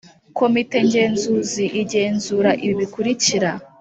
Komite ngenzuzi igenzura ibi bikurikira :